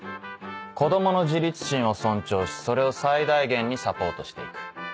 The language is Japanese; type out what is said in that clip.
子供の自立心を尊重しそれを最大限にサポートして行く。